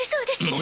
何！